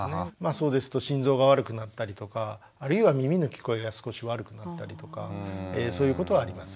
そうですと心臓が悪くなったりとかあるいは耳の聞こえが少し悪くなったりとかそういうことはあります。